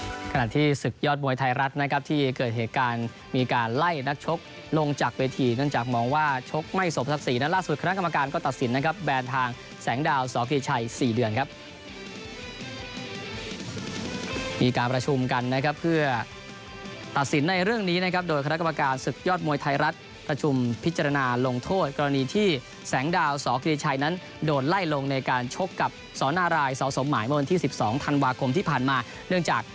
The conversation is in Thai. สุดท้ายที่สุดสุดท้ายที่สุดสุดท้ายที่สุดสุดท้ายที่สุดสุดท้ายที่สุดสุดท้ายที่สุดสุดท้ายที่สุดสุดท้ายที่สุดสุดท้ายที่สุดสุดท้ายที่สุดสุดท้ายที่สุดสุดท้ายที่สุดสุดท้ายที่สุดสุดท้ายที่สุดสุดท้ายที่สุดสุดท้ายที่สุดสุดท้ายที่สุดสุดท้ายที่สุดสุดท้ายท